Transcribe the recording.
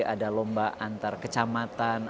ada lomba antar kecamatan